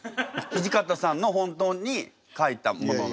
土方さんの本当に書いたものなの？